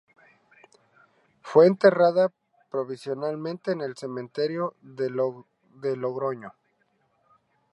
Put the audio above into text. Fue enterrada provisionalmente en el cementerio de Logroño.